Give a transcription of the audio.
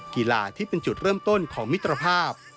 กีฬาที่เป็นจุดเริ่มต้นของมิตรภาพ